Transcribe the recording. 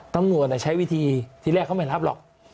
ตำรวจใช้วิธีที่แรกเขาไม่รับหรอก